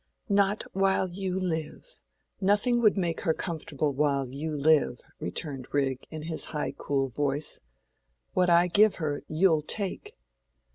"Not while you live. Nothing would make her comfortable while you live," returned Rigg, in his cool high voice. "What I give her, you'll take."